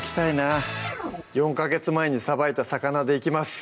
４ヵ月前にさばいた魚でいきます